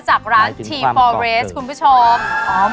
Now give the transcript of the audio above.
จากร้านชีฟอร์เรสคุณผู้ชม